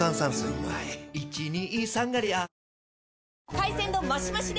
海鮮丼マシマシで！